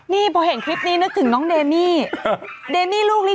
นี่เพราะเห็นคลิปนี่นึกถึงนางเดนี่เดนี่ลูกลิด